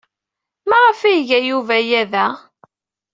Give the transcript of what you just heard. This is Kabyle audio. Maɣef ay iga Yuba aya da?